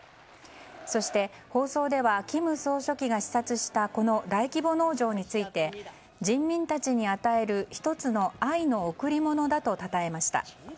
そして放送では金総書記が視察したこの大規模農場について人民たちに与える１つの愛の贈り物だとたたえました。